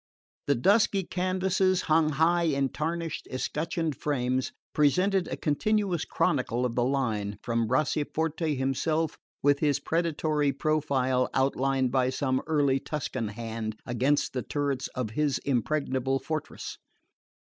The dusky canvases, hung high in tarnished escutcheoned frames, presented a continuous chronicle of the line, from Bracciaforte himself, with his predatory profile outlined by some early Tuscan hand against the turrets of his impregnable fortress.